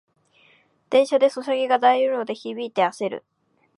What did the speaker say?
電車でソシャゲが大音量で響いてあせる